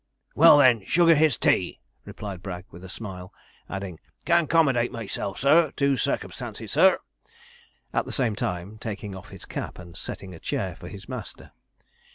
'Well, then, sugar his tea,' replied Bragg, with a smile, adding, 'can 'commodate myself, sir, to circumstances, sir,' at the same time taking off his cap and setting a chair for his master.